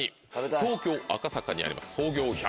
東京・赤坂にあります